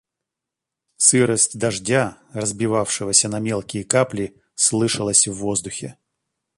Сырость дождя, разбивавшегося на мелкие капли, слышалась в воздухе.